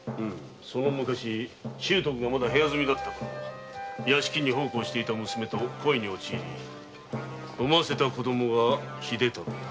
その昔秀徳がまだ部屋住みだったころ屋敷に奉公していた娘と恋におち産ませた子供が秀太郎だ。